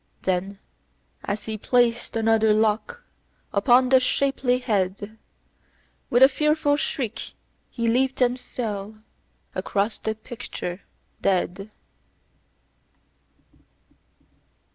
Then, as he placed another lock upon the shapely head, With a fearful shriek, he leaped and fell across the picture dead.